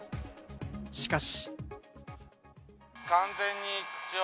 しかし。